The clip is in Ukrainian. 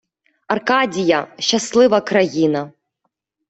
Аркадія — щаслива країна